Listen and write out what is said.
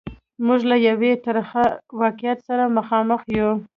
موږ له یوه ترخه واقعیت سره مخامخ یو.